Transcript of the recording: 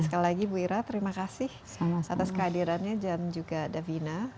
sekali lagi bu ira terima kasih atas kehadirannya dan juga davina